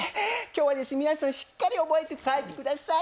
今日は皆さん、しっかり覚えて帰ってください。